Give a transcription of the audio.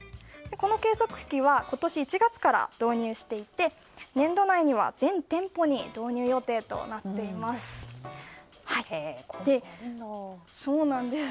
この計測器は今年１月から導入していて年度内には全店舗に導入予定となっています。